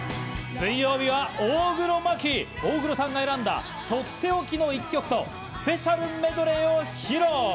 水曜日は大黒摩季、大黒さんが選んだとっておきの１曲とスペシャルメドレーを披露。